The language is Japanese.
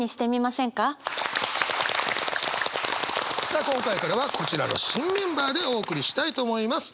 さあ今回からはこちらの新メンバーでお送りしたいと思います。